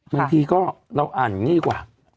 บางทีก็เราอ่านอย่างนี้กว่า